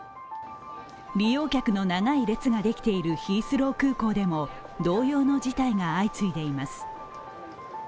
利用客の長い列ができているヒースロー空港でも同様の事態が相次いでいます。